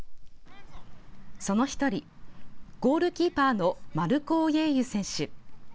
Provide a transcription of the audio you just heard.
その１人、ゴールキーパーのマルコ・オイェユ選手。